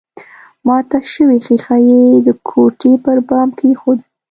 ماته شوې ښيښه يې د کوټې پر بام کېښوده